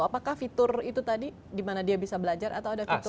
apakah fitur itu tadi di mana dia bisa belajar atau ada fitur